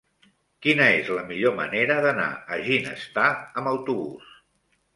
Quina és la millor manera d'anar a Ginestar amb autobús?